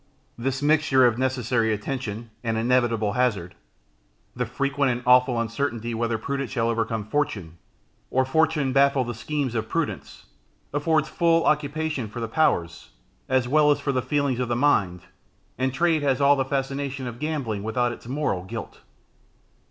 This mixture of necessary attention and inevitable hazard, the frequent and awful uncertainty whether prudence shall overcome fortune, or fortune baffle the schemes of prudence, affords full occupation for the powers, as well as for the feelings of the mind, and trade has all the fascination of gambling without its moral guilt.